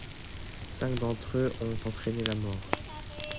Cinq d'entre eux ont entraîné la mort.